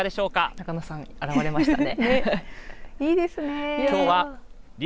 中野さん現れましたね。